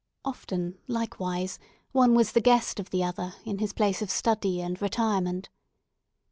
Often, likewise, one was the guest of the other in his place of study and retirement.